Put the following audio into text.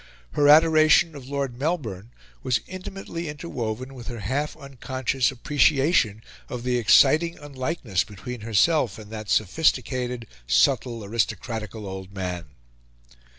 Her adoration of Lord Melbourne was intimately interwoven with her half unconscious appreciation of the exciting unlikeness between herself and that sophisticated, subtle, aristocratical old man.